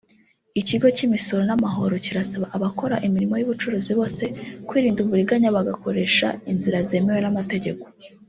Ikigo cy’imisoro n’amahoro kirasaba abakora imirimo y’ubucuruzi bose kwirinda uburiganya bagakoresha inzira zemewe n’amategeko